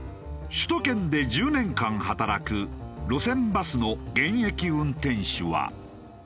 首都圏で１０年間働く路線バスの現役運転手は。